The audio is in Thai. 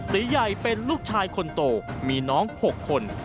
ตีใหญ่เป็นลูกชายคนโตมีน้อง๖คน